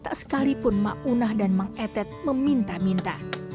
tak sekalipun ma'unah dan mang etet meminta minta